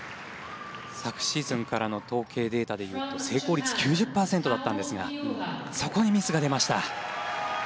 昨シーズンからの統計データで言うと成功率９０％だったんですがそこでミスが出ました。